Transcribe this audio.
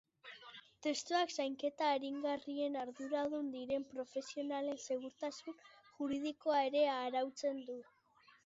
Testuak zainketa aringarrien arduradun diren profesionalen segurtasun juridikoa ere arautzen du.